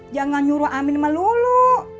jangan nyuruh amin sama lu lu